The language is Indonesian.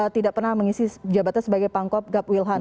tidak pernah mengisi jabatan sebagai pangkop gap wilhan